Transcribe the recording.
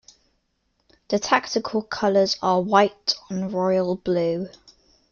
The Tactical colours are White on Royal blue.